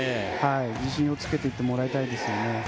自信をつけていってもらいたいですね。